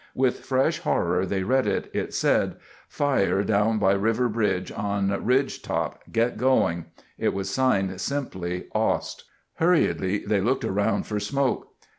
With fresh horror they read it. It said, "Fire down by river bridge on ridge top. Get going." It was signed simply, "Ost." Hurriedly they looked around for smoke.